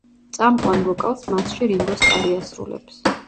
წამყვან ვოკალს მასში რინგო სტარი ასრულებს.